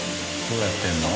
どうやってるの？